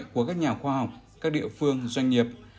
của các nhà khoa học các địa phương doanh nghiệp